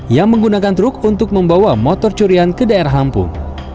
yang menggunakan truk untuk membawa motor yang dikumpulkan